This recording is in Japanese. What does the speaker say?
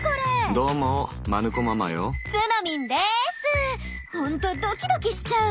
ほんとドキドキしちゃう！